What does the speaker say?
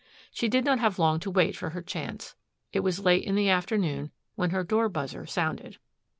She did not have long to wait for her chance. It was late in the afternoon when her door buzzer sounded.